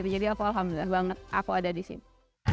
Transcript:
jadi aku alhamdulillah banget aku ada di situ